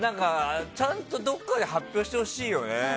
ちゃんとどこかで発表してほしいよね。